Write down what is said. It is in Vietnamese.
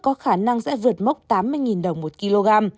có khả năng sẽ vượt mốc tám mươi đồng một kg